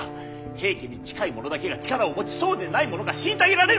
平家に近い者だけが力を持ちそうでない者が虐げられる。